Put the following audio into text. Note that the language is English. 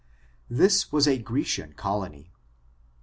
This was a Grecian colony.